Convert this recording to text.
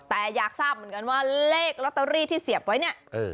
แต่อยากทราบเหมือนกันว่าเลขลอตเตอรี่ที่เสียบไว้เนี่ย